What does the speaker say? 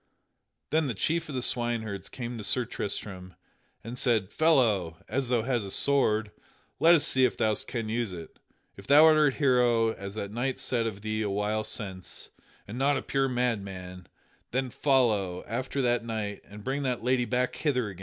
Then the chief of the swineherds came to Sir Tristram, and said: "Fellow, as thou hast a sword, let us see if thou canst use it. If thou art a hero as that knight said of thee a while since, and not a pure madman, then follow after that knight and bring that lady back hither again."